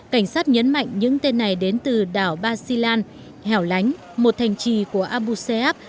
cảnh sát nhấn mạnh những tên này đến từ đảo basilan hẻo lánh một thành trì của abu sayyaf